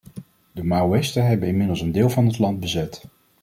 De maoïsten hebben inmiddels een deel van het land bezet.